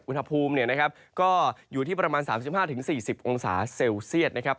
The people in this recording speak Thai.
อุณหภูมิก็อยู่ที่ประมาณ๓๕๔๐องศาเซลเซียตนะครับ